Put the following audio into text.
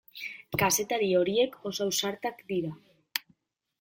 Kazetari horiek oso ausartak dira.